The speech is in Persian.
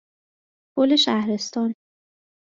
پل شهرستان